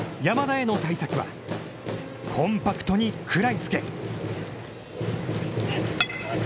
山田への対策は、「コンパクトに、食らいつけ！」